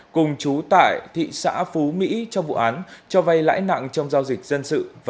cùng chú tại thị xã phú mỹ trong vụ án cho vay lãi nặng trong giao dịch dân sự